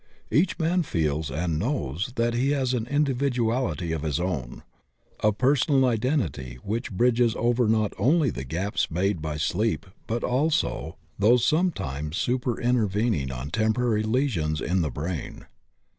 Each man feels and knows that he has an indi viduality of his own, a personal identity which bridges over not only the gaps made by sleep but also those sometimes supervening on temporary lesions in the brain.